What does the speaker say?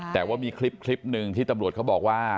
แต่ว่ามีคลิปหนึ่งที่ตำรวจเขาบอกว่า